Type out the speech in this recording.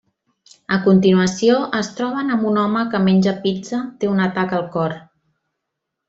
A continuació, es troben amb un home que menja pizza té un atac al cor.